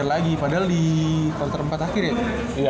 padahal di quarter empat akhir ya